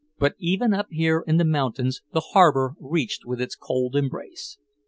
But even up here in the mountains the harbor reached with its cold embrace.